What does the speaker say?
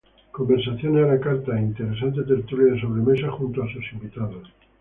Conversaciones a la carta e interesante tertulia de sobremesa, junto a sus invitados.